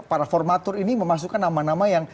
para formatur ini memasukkan nama nama yang